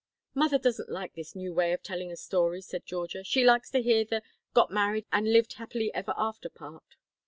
"Mother doesn't like this new way of telling a story," said Georgia; "she likes to hear the got married and lived happily ever after part."